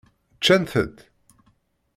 Ččant-tt?